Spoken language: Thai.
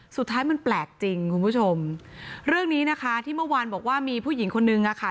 สุดท้ายมันแปลกจริงคุณผู้ชมเรื่องนี้นะคะที่เมื่อวานบอกว่ามีผู้หญิงคนนึงอ่ะค่ะ